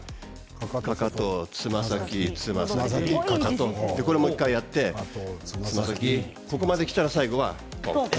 かかと、つま先、つま先、かかとこれをもう１回やってここまできたら最後は、トン。